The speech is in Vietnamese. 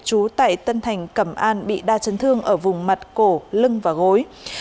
chú tại tân thành cẩm an bị đa chấn thương ở vùng mặt cổ lưng và gối